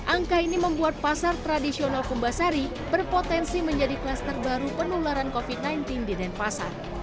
angka ini membuat pasar tradisional kumbasari berpotensi menjadi kluster baru penularan covid sembilan belas di denpasar